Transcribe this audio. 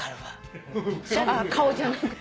顔じゃなくて？